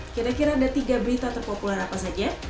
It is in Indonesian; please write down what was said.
kira kira ada tiga berita terpopuler apa saja